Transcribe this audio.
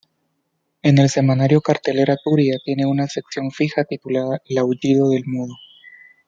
En el semanario Cartelera Turia tiene una sección fija titulada "El aullido del mudo".